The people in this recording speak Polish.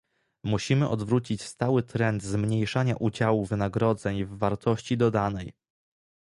Musimy odwrócić stały trend zmniejszania udziału wynagrodzeń w wartości dodanej